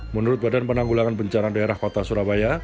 menurut badan penanggulangan bencana daerah kota surabaya